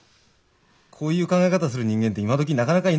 こういう考え方する人間って今どきなかなかいないですよね。